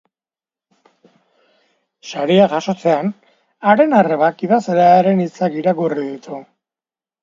Saria jasotakoan, haren arrebak idazlearen hitzak irakurri ditu.